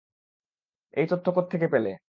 এই তথ্য কোত্থেকে পেলে?